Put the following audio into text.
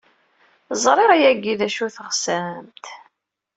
Ẓriɣ yagi d acu ay teɣsemt!